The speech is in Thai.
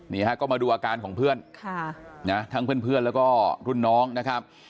นี่ฮะก็มาดูอาการของเพื่อนทั้งเพื่อนแล้วก็รุ่นน้องนะครับ